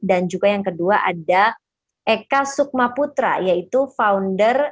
dan juga yang kedua ada eka sukmaputra yaitu founder